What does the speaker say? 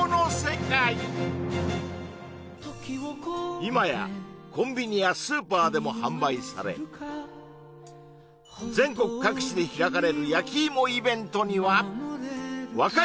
今やコンビニやスーパーでも販売され全国各地で開かれる焼き芋イベントには・うまい！